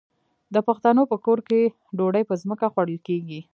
د پښتنو په کور کې ډوډۍ په ځمکه خوړل کیږي.